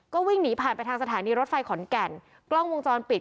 ก็วิ่งหนีผ่านไปทางสถานีรถไฟขอนแก่นกล้องวงจรปิด